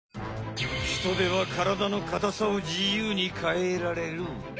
ヒトデはからだのかたさを自由に変えられる。